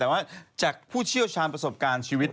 แต่ว่าจากผู้เชี่ยวชาญประสบการณ์ชีวิต